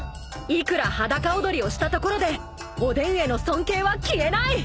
［いくら裸踊りをしたところでおでんへの尊敬は消えない！］